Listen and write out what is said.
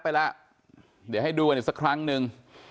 ไปแล้วเดี๋ยวให้ดูกันอีกสักครั้งนึง